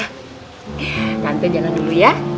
tante jalan dulu ya